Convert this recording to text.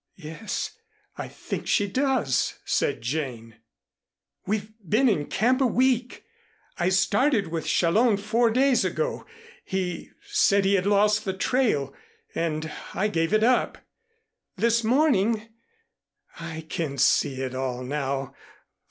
"Yes, I think she does," said Jane. "We've been in camp a week. I started with Challón four days ago. He said he had lost the trail, and I gave it up. This morning I can see it all now.